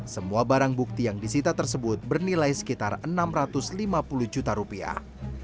semua barang bukti yang disita tersebut bernilai sekitar enam ratus lima puluh juta rupiah